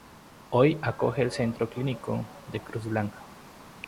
Hoy acoge el Centro Clínico Cruz Blanca.